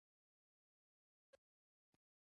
انا له قبر نه ډارېږي